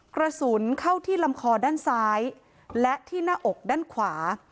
กระสุนเข้าที่ลำคอด้านซ้ายและที่หน้าอกด้านขวา